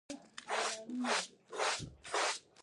ایا د خولې کنجونه مو چاودلي دي؟